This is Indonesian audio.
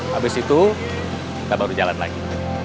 habis itu kita baru jalan lagi